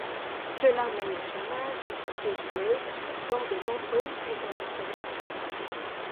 Cela met au chômage toutes ses joueuses dont de nombreuses internationales.